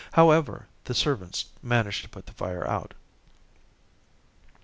However, the servants managed to put the fire out.